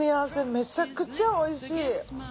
めちゃくちゃ美味しい。